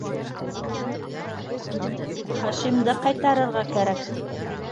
Хашимды ҡайтарырға кәрәк.